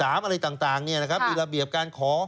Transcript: อะไรต่างเนี่ยนะครับมีระเบียบการขอ